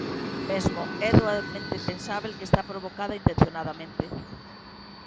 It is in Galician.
Mesmo é doadamente pensábel que está provocada intencionadamente.